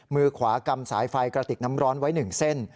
มือขวากำสายไฟกระติกน้ำร้อนไว้๑เส้น